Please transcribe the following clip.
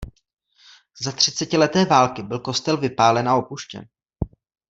Za třicetileté války byl kostel vypálen a opuštěn.